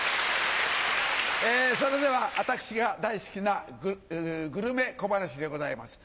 それでは私が大好きなグルメ小噺でございます。